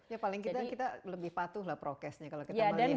ya paling kita lebih patuh lah prokesnya kalau kita melihat